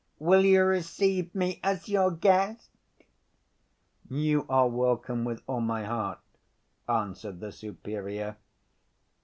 Will you receive me as your guest?" "You are welcome with all my heart," answered the Superior.